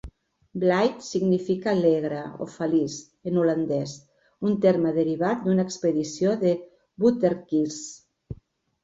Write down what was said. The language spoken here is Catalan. Blyde significa "alegre" o "feliç" en holandès, un terme derivat d'una expedició de voortrekkers.